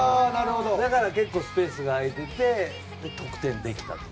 だから結構スペースが空いてて得点できたと。